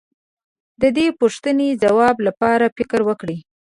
د دې پوښتنې د ځواب لپاره فکر وکړئ.